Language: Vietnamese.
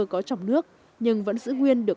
có trong nước nhưng vẫn giữ nguyên được